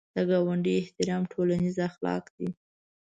د ګاونډي احترام ټولنیز اخلاق دي